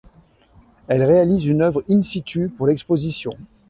Elle réalise une œuvre in situ pour l'exposition.